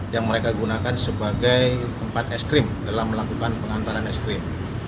yang mereka gunakan sebagai tempat es krim dalam melakukan pengantaran es krim